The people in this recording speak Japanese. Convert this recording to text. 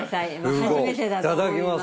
初めてだと思います。